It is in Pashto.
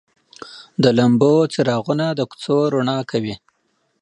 د لمبو څراغونه د کوڅو رڼا کوي.